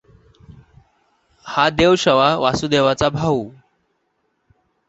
हा देवश्रवा वासुदेवाचा भाऊ.